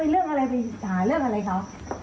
เรื่องอะไรไปหาเรื่องอะไรเขา